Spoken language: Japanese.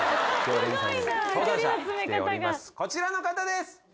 今のこちらの方です！